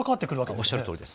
おっしゃるとおりです。